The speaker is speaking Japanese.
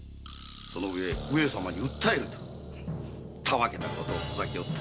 そのうえ上様に訴えるとたわけたことをホザきおった。